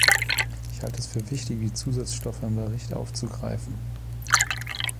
Ich halte es für wichtig, die Zusatzstoffe im Bericht aufzugreifen.